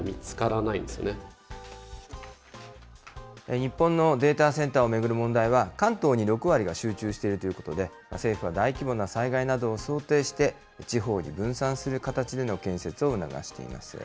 日本のデータセンターを巡る問題は、関東に６割が集中しているということで、政府は大規模な災害などを想定して、地方に分散する形での建設を促しています。